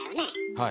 はい。